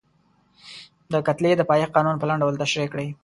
د کتلې د پایښت قانون په لنډ ډول تشریح کړئ.